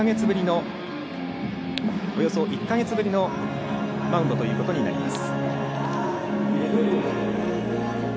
およそ１か月ぶりのマウンドということになります。